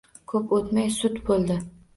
Ko`p o`tmay sud bo`ldi